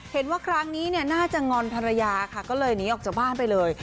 เห็นว่าครั้งนี้เนี่ยน่าจะงอนภรรยาค่ะก็เลยหนีออกจากบ้านไปเลย